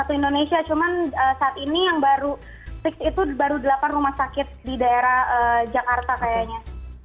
satu indonesia cuman saat ini yang baru fix itu baru delapan rumah sakit di daerah jakarta kayaknya